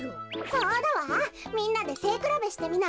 そうだわみんなでせいくらべしてみない？